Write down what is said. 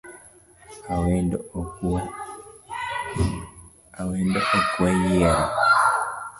Awendo ok we yiere